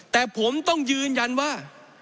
แต่ผมต้องยืนยันว่า